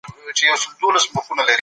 علم پر طبیعت واکمن عيني قوانین پېژني.